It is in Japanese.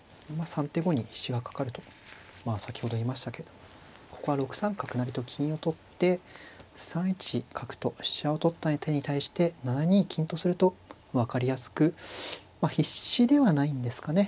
３手後に必至がかかると先ほど言いましたけどここは６三角成と金を取って３一角と飛車を取った手に対して７二金とすると分かりやすくまあ必至ではないんですかね